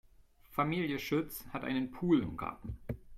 Familie Schütz hat einen Pool im Garten.